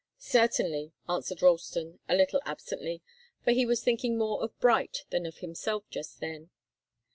"Certainly," answered Ralston, a little absently, for he was thinking more of Bright than of himself just then.